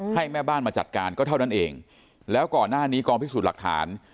ให้แม่บ้านมาจัดการก็เท่านั้นเองแล้วก่อนหน้านี้กองพิสูจน์หลักฐาน